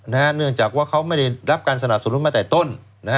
เนื่องจากว่าเขาไม่ได้รับการสนับสนุนมาแต่ต้น